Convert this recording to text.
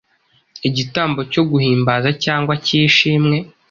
igitambo cyo guhimbaza cyangwa cy’ishimwe